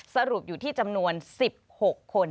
สรุปอยู่ที่จำนวน๑๖คน